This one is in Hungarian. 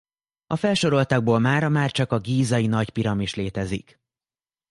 A felsoroltakból mára már csak a gízai nagy piramis létezik.